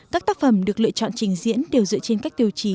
các tác phẩm được lựa chọn trình diễn đều dựa trên các tiêu chí